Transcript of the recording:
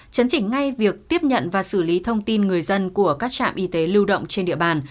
chấn chỉnh ngay việc tiếp nhận và xử lý thông tin người dân của các trạm y tế lưu động trên địa bàn